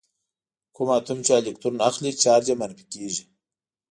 کوم اتوم چې الکترون اخلي چارج یې منفي کیږي.